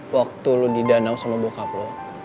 waktu lu di danau sama bokap lo